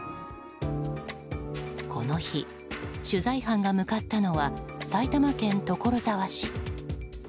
この日、取材班が向かったのは埼玉県所沢市。